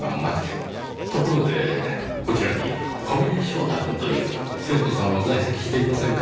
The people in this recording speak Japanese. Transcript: ところでこちらに小峰翔太くんという生徒さんは在籍していませんか？